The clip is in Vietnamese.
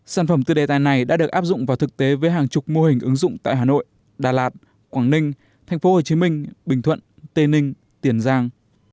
sản phẩm tư đề tài này đã được áp dụng vào thực tế với hàng chục mô hình ứng dụng tại hà nội đà lạt quảng ninh tp hcm bình thuận tây ninh tiền giang